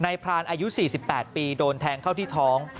พรานอายุ๔๘ปีโดนแทงเข้าที่ท้อง